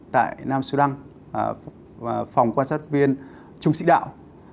tại nam sudan phòng quan sát viên trung sĩ đạo